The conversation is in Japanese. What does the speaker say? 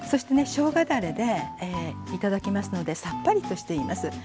しょうがだれで頂きますのでさっぱりとしています。